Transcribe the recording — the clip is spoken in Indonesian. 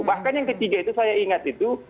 bahkan yang ketiga itu saya ingat itu